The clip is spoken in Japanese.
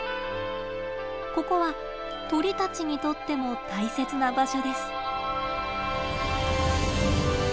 ここは鳥たちにとっても大切な場所です。